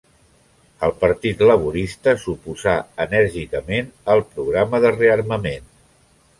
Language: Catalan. El Partit Laborista s'oposà enèrgicament al programa de rearmament.